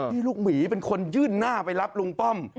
ลูกหมีเป็นคนยื่นหน้าไปรับลุงป้อม